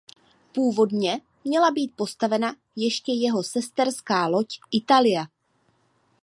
Původně měla být postavena ještě jeho sesterská loď "Italia".